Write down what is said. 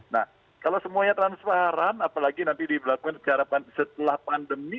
nah kalau semuanya transparan apalagi nanti diberlakukan setelah pandemi